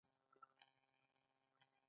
موږ نورو خامو موادو ته اړتیا لرو